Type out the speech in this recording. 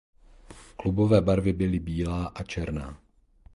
Klubové barvy byly bílá a černá.